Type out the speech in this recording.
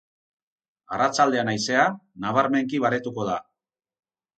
Arratsaldean haizea, nabarmenki baretuko da.